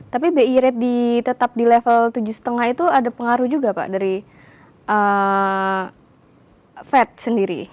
tapi bi rate tetap di level tujuh lima itu ada pengaruh juga pak dari fed sendiri